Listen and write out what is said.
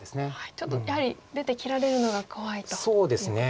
ちょっとやはり出て切られるのが怖いということですね。